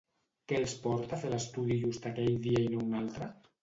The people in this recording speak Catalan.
Què els porta a fer l'estudi just aquell dia i no un altre?